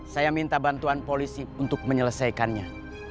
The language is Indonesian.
saya minta bantuan polisi untuk menyelesaikannya